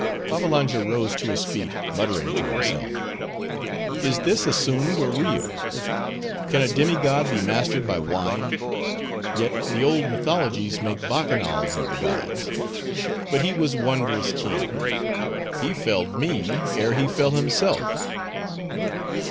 Babbalanja rose to his feet, muttering to himself—"Is this assumed, or real?—Can a demi god be mastered by wine? Yet, the old mythologies make bacchanals of the gods. But he was wondrous keen! He felled me, ere he fell himself."